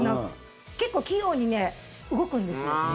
結構器用に動くんですよ。